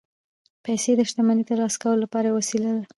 پیسې د شتمنۍ ترلاسه کولو لپاره یوه وسیله ده